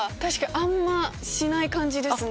あんましない感じですね。